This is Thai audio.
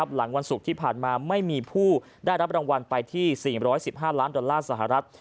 หลังวันศุกร์ที่ผ่านมาไม่มีผู้ได้รับรางวัลไปที่๔๑๕ล้านดอลลาร์สหรัฐ